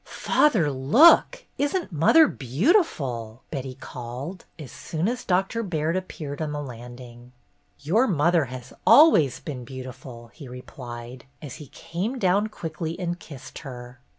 "Father, look, isn't mother beautiful!" Betty called, as soon as Doctor Baird appeared on the landing. "Your mother has always been beautiful," he replied, as he came down quickly and kissed her.